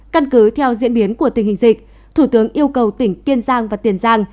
căn cứ theo diễn biến của tình hình dịch thủ tướng yêu cầu tỉnh kiên giang và tiền giang